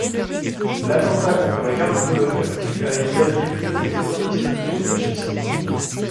L'attentat contre la gare de Bologne du a été attribué à des terroristes néofascistes.